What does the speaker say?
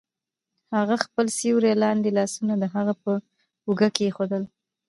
هغه خپل سیوري لرونکي لاسونه د هغه په اوږه کیښودل